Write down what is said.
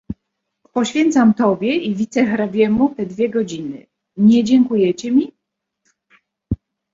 "Poświęcam tobie i wicehrabiemu te dwie godziny: nie dziękujecie mi?"